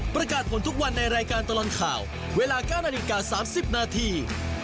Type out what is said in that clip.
ประกาศผลทุกวันในรายการตลอดข่าวเวลา๙นาฬิกา๓๐นาที